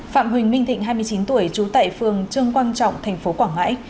phạm huỳnh minh thịnh hai mươi chín tuổi trú tại phường trương quang trọng tp quảng ngãi